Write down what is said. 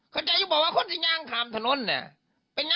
เขาบอกว่าไงพี่